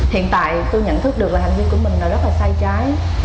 hiện tại tôi nhận thức được là hành vi của mình là rất là sai trái